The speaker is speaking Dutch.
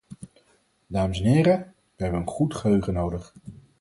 Dames en heren, wij hebben een goed geheugen nodig.